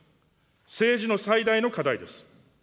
政治の最大の課題です。